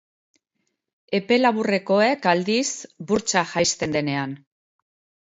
Epe laburrekoek, aldiz, burtsa jaisten denean.